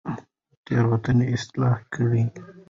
تېروتنې اصلاح کړئ.